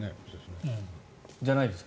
じゃないですか？